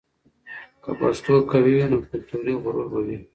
که پښتو قوي وي، نو کلتوري غرور به وي.